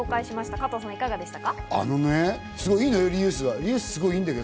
加藤さん、いかがでしたか？